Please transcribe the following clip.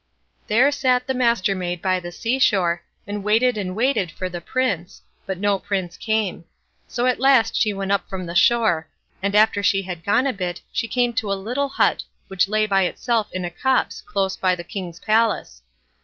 There sat the Mastermaid by the seashore, and waited and waited for the Prince, but no Prince came; so at last she went up from the shore, and after she had gone a bit she came to a little hut which lay by itself in a copse close by the king's palace.